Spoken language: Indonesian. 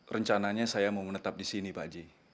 rencananya saya mau menetap disini pak ji